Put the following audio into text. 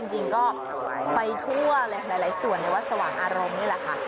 จริงก็ไปทั่วเลยหลายส่วนในวัดสว่างอารมณ์นี่แหละค่ะ